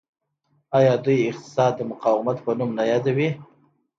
آیا دوی اقتصاد د مقاومت په نوم نه یادوي؟